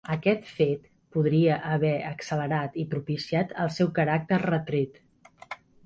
Aquest fet podria haver accelerat i propiciat el seu caràcter retret.